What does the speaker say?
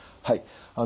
はい。